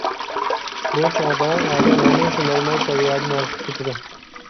بۇ چاغدا، ئادەم ھەمىشە نورمال سەۋىيەدىن ھالقىپ كېتىدۇ.